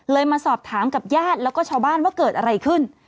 มาสอบถามกับญาติแล้วก็ชาวบ้านว่าเกิดอะไรขึ้น